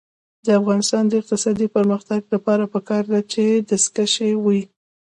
د افغانستان د اقتصادي پرمختګ لپاره پکار ده چې دستکشې وي.